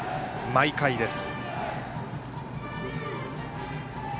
毎回です。